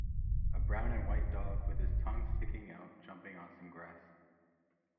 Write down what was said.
a brown and white dog with his tongue sticking out jumping on some grass